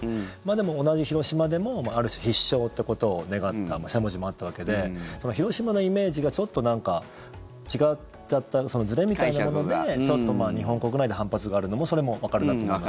でも、同じ広島でもある種、必勝ってことを願ったしゃもじもあったわけで広島のイメージがちょっとなんか違っちゃったそのずれみたいなものでちょっと日本国内で反発があるのもそれもわかるなと思います。